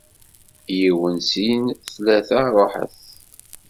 yiwen, sin, tlata, ruḥet!